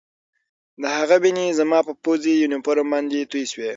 د هغه وینې زما په پوځي یونیفورم باندې تویې شوې